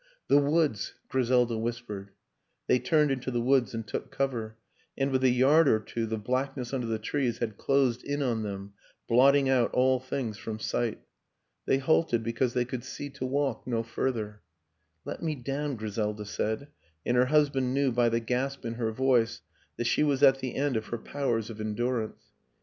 The woods," Griselda whispered. They turned into the woods and took cover; and, with a yard or two, the blackness under the trees had closed in on them, blotting out all things from sight. They halted because they could see to walk no further. " Let me down," Griselda said and her hus band knew by the gasp in her voice that she was at the end of her powers of endurance.